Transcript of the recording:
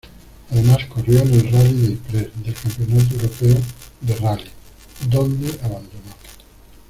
Además corrió en el Rally de Ypres del Campeonato Europeo de Rally, donde abandonó.